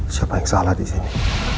siapa yang salah di sini